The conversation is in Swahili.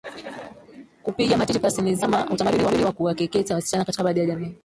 Kupiga matiti pasi ni zimwi kama utamaduni wa kuwakeketa wasichana katika baadhi ya jamii